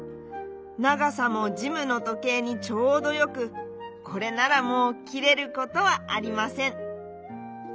ながさもジムのとけいにちょうどよくこれならもうきれることはありません。